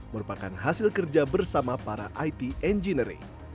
merupakan hasil kerja bersama para it engineering